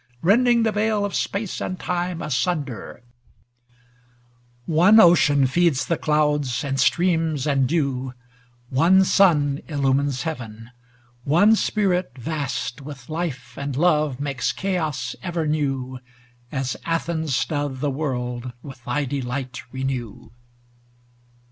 Rending the veil of space and time asun der ! One ocean feeds the clouds, and streams, and dew; One sun illumines heaven; one spirit vast With life and love makes chaos ever new. As Athens doth the world with thy de light renew.